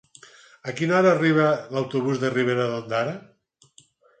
A quina hora arriba l'autobús de Ribera d'Ondara?